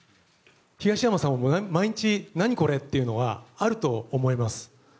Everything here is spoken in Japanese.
東山さんも毎日何これっていうのはあると思います。